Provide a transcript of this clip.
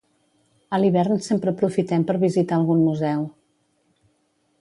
A l'hivern sempre aprofitem per visitar algun museu.